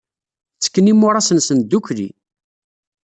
Ttekken imuras-nsen ddukkli.